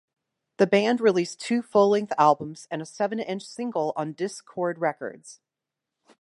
The band released two full length albums and a seven-inch single on Dischord Records.